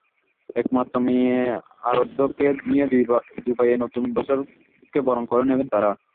একমাত্র মেয়ে আরাধ্যকে নিয়ে দুবাইয়ে নতুন বছরকে বরণ করে নেবেন তাঁরা।